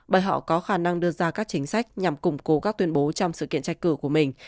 bởi họ có khả năng đưa ra các chính sách nhằm củng cố các tuyên bố trong sự kiện tranh cử của mình